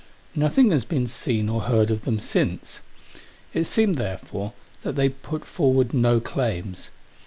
Nothing has been seen or heard of them since. It seemed, therefore, that they put forward no claims.